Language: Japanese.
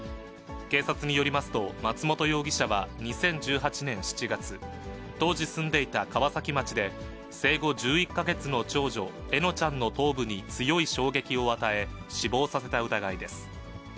警察によりますと、松本容疑者は２０１８年７月、当時住んでいた川崎町で、生後１１か月の長女、笑乃ちゃんの頭部に強い衝撃を与え、死亡させた疑いです。